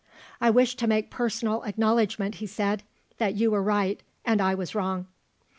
"I wish to make personal acknowledgment," he said, "that you were right and I was wrong."